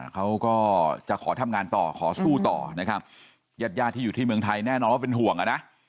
เขาก็จะขอทำงานต่อขอสู้ต่อนะครับญาติญาติที่อยู่ที่เมืองไทยแน่นอนว่าเป็นห่วงอ่ะนะ